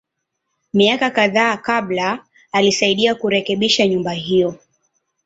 Miaka kadhaa kabla, alisaidia kurekebisha nyumba hiyo.